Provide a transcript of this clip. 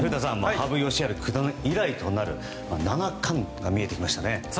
羽生善治九段以来となる七冠が見えてきましたね。